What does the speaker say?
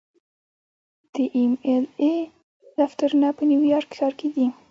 د ایم ایل اې دفترونه په نیویارک ښار کې دي.